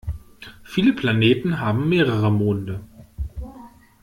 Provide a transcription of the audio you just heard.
Viele Planeten haben mehrere Monde.